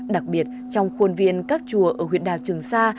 đặc biệt trong khuôn viên các chùa ở huyện đảo trường sa